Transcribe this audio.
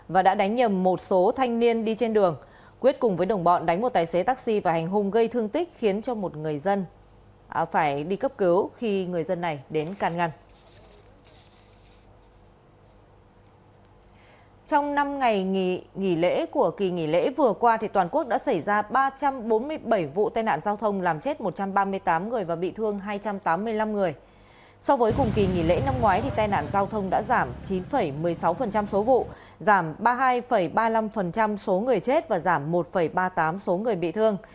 với cùng kỳ nghỉ lễ năm ngoái tai nạn giao thông đã giảm chín một mươi sáu số vụ giảm ba mươi hai ba mươi năm số người chết và giảm một ba mươi tám số người bị thương